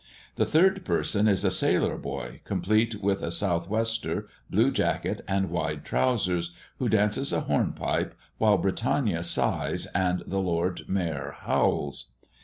The third person is a sailor boy complete, with a south wester, blue jacket, and wide trousers, who dances a hornpipe while Britannia sighs and the Lord Mayor howls.